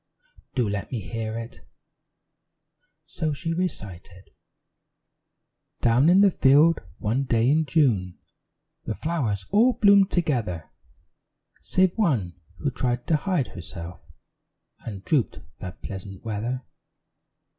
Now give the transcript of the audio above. "Do let me hear it." So she recited THE ROBIN AND THE BUTTERCUP[B] Down in the field, one day in June, The flowers all bloomed together, Save one, who tried to hide herself, And drooped that pleasant weather.